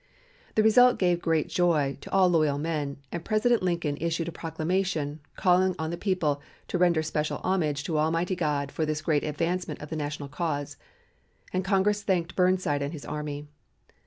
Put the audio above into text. The result gave great joy to all loyal men, and President Lincoln issued a proclamation, calling on the people "to render special homage to Almighty God for this great advancement of the National cause," and Congress thanked Burnside and his army.